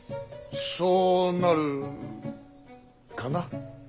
そうなるかな。